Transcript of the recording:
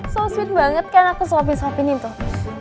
so sweet banget kan aku suapin suapinin tuh